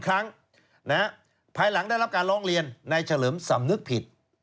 ครั้งภายหลังได้รับการร้องเรียนในเฉลิมสำนึกผิด